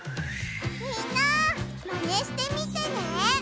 みんなマネしてみてね！